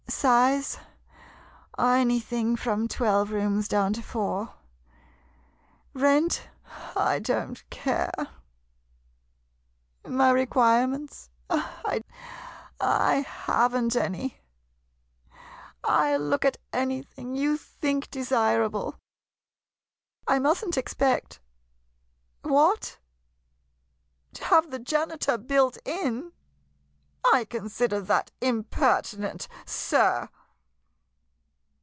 Size? Anything from twelve rooms down to four. Rent? I don't care. My requirements? I haven't any. I '11 look at anything you think desirable. I 46 IN THE MERRY MONTH OF MAY must n't expect — what? To have the janitor built in! I consider that impertinent — sir!